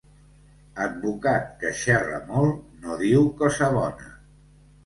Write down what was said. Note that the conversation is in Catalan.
Advocat que xerra molt, no diu cosa bona.